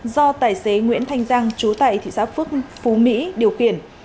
do tài xế nguyễn thanh giang chú tại thị xã phú mỹ điều kiển